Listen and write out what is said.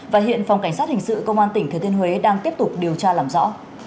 và hiện phòng cảnh sát hình sự công an tỉnh thừa thiên huế đang tiếp tục điều tra làm rõ